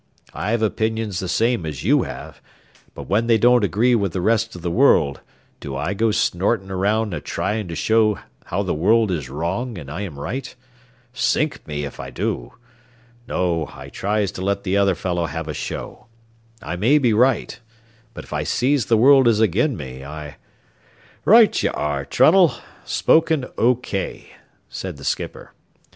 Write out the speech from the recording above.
I've opinions the same as you have, but when they don't agree with the rest o' the world, do I go snortin' around a tryin' to show how the world is wrong an' I am right? Sink me if I do. No, I tries to let the other fellow have a show. I may be right, but if I sees the world is agin me, I " "Right ye are, Trunnell. Spoken O.K." said the skipper.